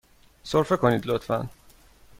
سرفه کنید، لطفاً.